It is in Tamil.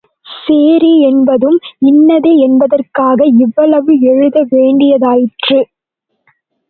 சேரி என்பதும் இன்னதே என்பதற்காக இவ்வளவு எழுத வேண்டியதாயிற்று.